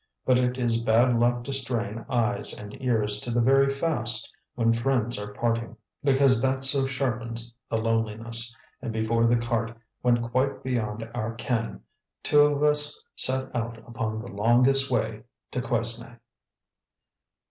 But it is bad luck to strain eyes and ears to the very last when friends are parting, because that so sharpens the loneliness; and before the cart went quite beyond our ken, two of us set out upon the longest way to Quesnay.